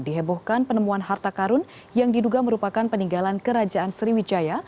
dihebohkan penemuan harta karun yang diduga merupakan peninggalan kerajaan sriwijaya